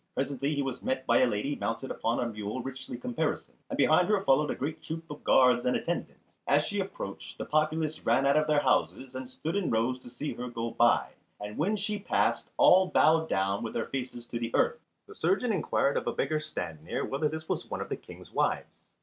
Presently he was met by a lady mounted upon a mule richly caparisoned, and behind her followed a great troop of guards and attendants. As she approached the populace ran out of their houses and stood in rows to see her go by, and when she passed all bowed down with their faces to the earth. The surgeon inquired of a beggar stand near whether this was one of the King's wives.